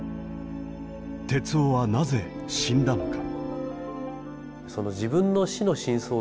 徹生はなぜ死んだのか。